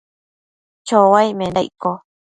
chouaic menda icco ?